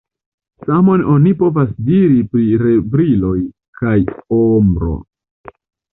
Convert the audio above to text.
Samon oni povas diri pri rebriloj kaj ombro.